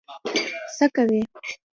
څه کوي.